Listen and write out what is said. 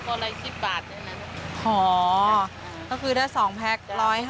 พร้อมว่าก็ถ้าส่งแพ็ก๑๕๐